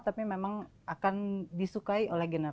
tapi memang akan disukai oleh generasi